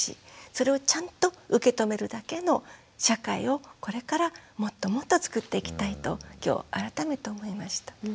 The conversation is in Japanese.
それをちゃんと受け止めるだけの社会をこれからもっともっとつくっていきたいと今日改めて思いました。